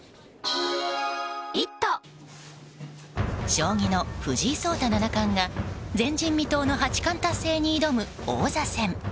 将棋の藤井聡太七冠が前人未到の八冠達成に挑む王座戦。